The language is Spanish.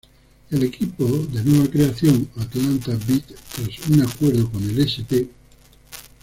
El equipo de nueva creación, Atlanta Beat, tras un acuerdo con el St.